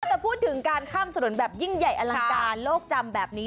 แต่พูดถึงการข้ามถนนแบบยิ่งใหญ่อลังการโลกจำแบบนี้